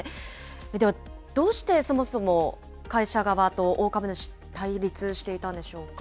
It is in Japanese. では、どうしてそもそも、会社側と大株主、対立していたんでしょ